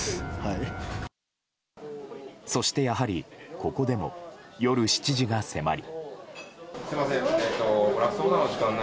そして、やはりここでも夜７時が迫り。